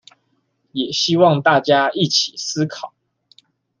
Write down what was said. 也希望大家一起思考